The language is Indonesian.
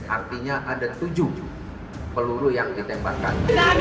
artinya ada tujuh peluru yang ditembakkan